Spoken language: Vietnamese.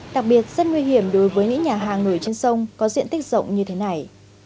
đặc biệt rất nguy hiểm đối với những nhà hàng nổi trên sông có diện tích rộng như thế này